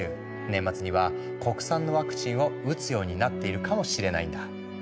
年末には国産のワクチンを打つようになっているかもしれないんだ。